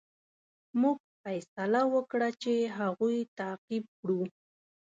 موږ فیصله وکړه چې هغوی تعقیب کړو.